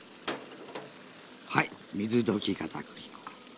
はい水溶きかたくり粉。